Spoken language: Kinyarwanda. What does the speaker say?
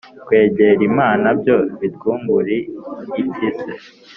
Kweger' Imana byo bitwungur' iki se?